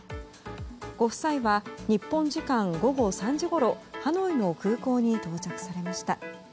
ご夫妻は日本時間午後３時ごろハノイの空港に到着されました。